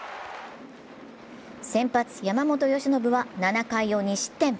先発・山本由伸は７回を２失点。